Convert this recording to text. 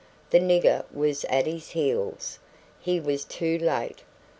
The nigger was at his heels he was too late.